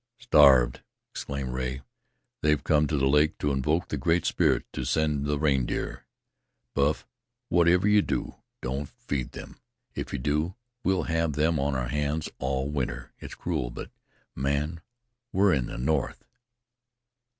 "Starved!" exclaimed Rea. "They've come to the lake to invoke the Great Spirit to send the reindeer. Buff, whatever you do, don't feed them. If you do, we'll have them on our hands all winter. It's cruel, but, man, we're in the north!"